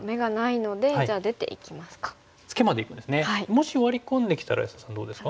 もしワリ込んできたら安田さんどうですか？